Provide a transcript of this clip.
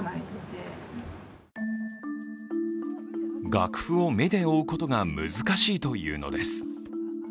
楽譜を目で追うことが難しいというのです。